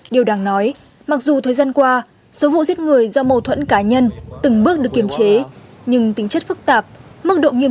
điều đáng nói mặc dù thời gian qua số vụ giết người do mâu thuẫn cá nhân từng bước được kiềm chế